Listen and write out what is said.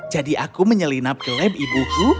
jadi aku menyelinap ke lab ibuku